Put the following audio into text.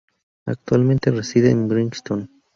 Actualmente reside en Brighton